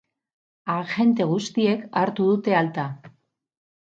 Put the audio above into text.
Agente guztiek hartu dute alta.